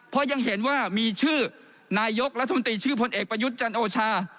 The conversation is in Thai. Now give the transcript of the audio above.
เพราะยังเห็นว่ามีชื่อนายกรัฐมนตรีชื่อพลเอกประยุทธ์จันโอชา